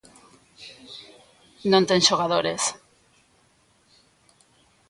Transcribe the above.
Non ten xogadores.